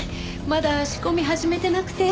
まだ仕込み始めてなくて。